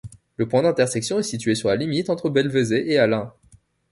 Le point d'intersection est situé sur la limite entre Belvezet et Allenc.